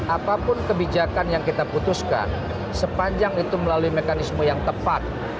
apapun kebijakan yang kita putuskan sepanjang itu melalui mekanisme yang tepat